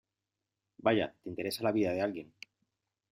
vaya , te interesa la vida de alguien .